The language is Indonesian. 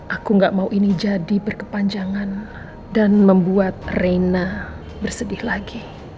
aku gak mau ini jadi berkepanjangan dan membuat reina bersedih lagi